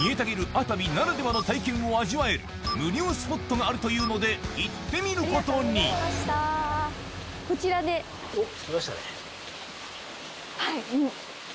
熱海ならではの体験を味わえる無料スポットがあるというので行ってみることにおっ着きましたね。